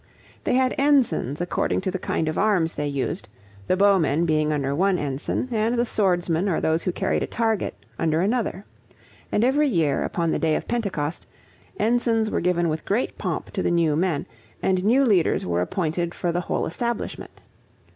They had ensigns according to the kind of arms they used, the bowmen being under one ensign, and the swordsmen, or those who carried a target, under another; and every year, upon the day of Pentecost, ensigns were given with great pomp to the new men, and new leaders were appointed for the whole establishment.